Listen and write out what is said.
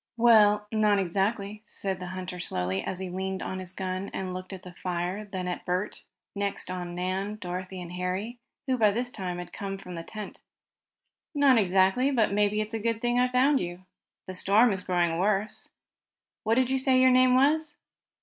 "Well, not exactly," said the hunter slowly, as he leaned on his gun, and looked at the fire, then at Bert and next on Nan, Dorothy and Harry, who by this time had come from the tent. "Not exactly, but maybe it's a good thing I found you. The storm is growing worse. What did you say your name was?"